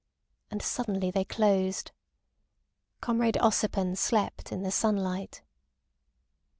And suddenly they closed. Comrade Ossipon slept in the sunlight.